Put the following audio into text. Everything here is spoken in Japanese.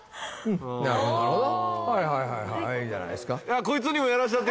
なるほどなるほどはいはいいいじゃないですか先生